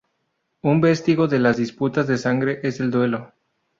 Un vestigio de las disputas de sangre es el duelo.